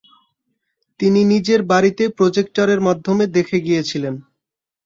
তিনি নিজের বাড়িতে প্রজেক্টারের মাধ্যমে দেখে গিয়েছিলেন।